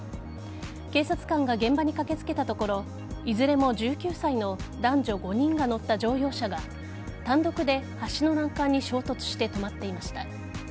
警察官が現場に駆けつけたところいずれも１９歳の男女５人が乗った乗用車が単独で橋の欄干に衝突して止まっていました。